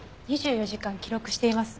２４時間記録しています。